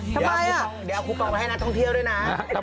ทำไมอ่ะเดี๋ยวเอาคุกออกมาให้นักท่องเที่ยวด้วยนะ